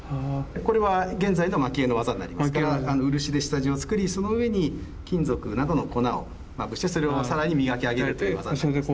これは現在の蒔絵の技になりますから漆で下地を作りその上に金属などの粉をまぶしてそれを更に磨き上げるという技になりますね。